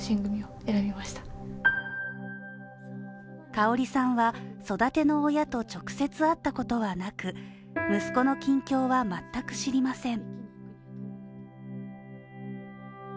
かおりさんは、育ての親と直接会ったことはなく息子の近況は全く知りません。